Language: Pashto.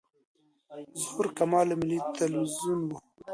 ظهور کمال له ملي تلویزیون و.